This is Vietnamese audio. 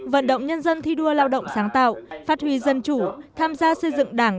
vận động nhân dân thi đua lao động sáng tạo phát huy dân chủ tham gia xây dựng đảng